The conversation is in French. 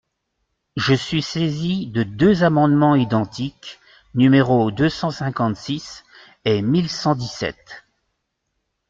Je suis saisi de deux amendements identiques, numéros deux cent cinquante-six et mille cent dix-sept.